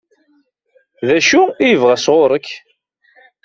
D acu i yebɣa sɣur-k?